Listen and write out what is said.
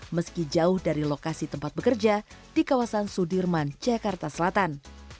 meski jauh dari lokasi tempat bekerja di kawasan sudirman jakarta selatan